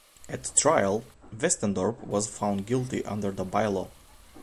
At trial, Westendorp was found guilty under the by-law.